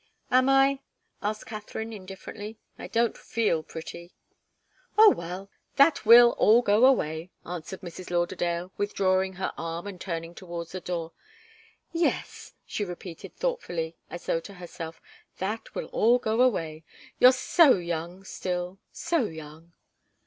"Am I?" asked Katharine, indifferently. "I don't feel pretty." "Oh, well that will all go away," answered Mrs. Lauderdale, withdrawing her arm and turning towards the door. "Yes," she repeated thoughtfully, as though to herself, "that will all go away. You're so young still so young!"